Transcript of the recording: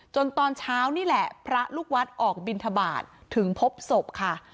ตอนเช้านี่แหละพระลูกวัดออกบินทบาทถึงพบศพค่ะ